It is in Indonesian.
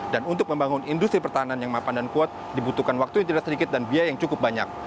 dan untuk membangun industri pertahanan yang mapan dan kuat dibutuhkan waktu yang tidak sedikit dan biaya yang cukup banyak